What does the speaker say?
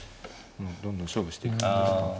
どんどん勝負していく感じですか。